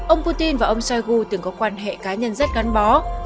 ông putin và ông shoigu từng có quan hệ cá nhân rất gắn bó